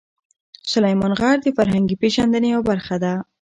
سلیمان غر د فرهنګي پیژندنې یوه برخه ده.